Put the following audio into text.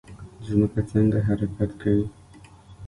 ځمکه څنګه حرکت کوي؟